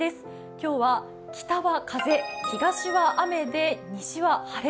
今日は北は風、東は雨で西は晴れ。